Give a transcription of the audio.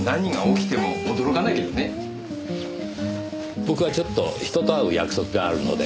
僕はちょっと人と会う約束があるので。